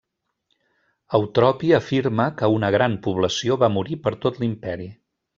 Eutropi afirma que una gran població va morir per tot l'imperi.